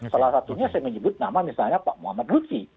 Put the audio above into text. salah satunya saya menyebut nama misalnya pak muhammad lutfi